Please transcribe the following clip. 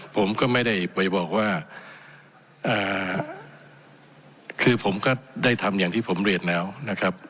ผมก็ไม่ได้ไปบอกว่าคือผมก็ได้ทำอย่างที่ผมเรียนแล้วนะครับ